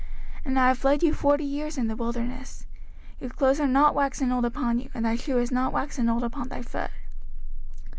05:029:005 And I have led you forty years in the wilderness: your clothes are not waxen old upon you, and thy shoe is not waxen old upon thy foot.